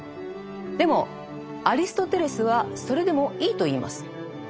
でもアリストテレスはそれでもいいと言います。